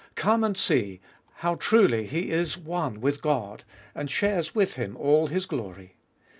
Come and see how truly He is one with God, and shares with him all His glory.